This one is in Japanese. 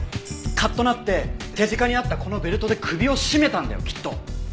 カッとなって手近にあったこのベルトで首を絞めたんだよきっと。